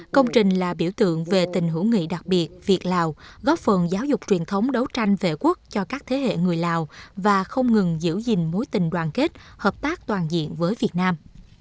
công trình là biểu tượng về tình hữu nghị đặc biệt việt lào góp phần giáo dục truyền thống đấu tranh vệ quốc cho các thế hệ người lào và không ngừng giữ gìn mối tình đoàn kết hợp tác toàn diện với việt nam